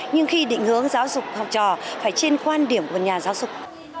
nhưng khi định hướng giáo dục học trò phải trên quan điểm của nhà giáo dục